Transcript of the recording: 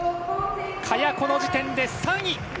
萱、この時点で３位。